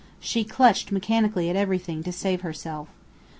She clutched mechanically at anything to save herself.